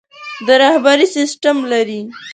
د رهبري سسټم لري.